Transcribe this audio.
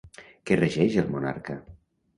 Què regeix el monarca?